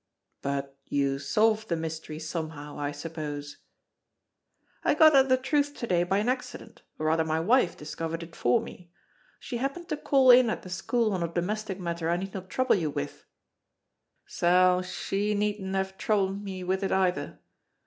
"But you solved the mystery somehow, I suppose?" "I got at the truth to day by an accident, or rather my wife discovered it for me. She happened to call in at the school on a domestic matter I need not trouble you with (sal, she needna have troubled me with it either!)